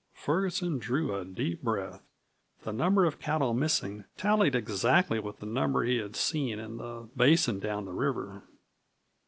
Ferguson drew a deep breath. The number of cattle missing tallied exactly with the number he had seen in the basin down the river.